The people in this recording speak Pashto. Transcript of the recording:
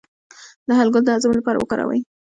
د هل ګل د هضم لپاره وکاروئ